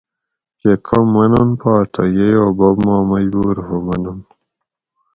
کہ کم منن پا تو ییو بوب ما مجبور ہو منن